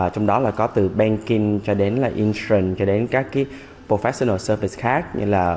trong đó là có từ banking cho đến là insurance cho đến các cái professional service khác như là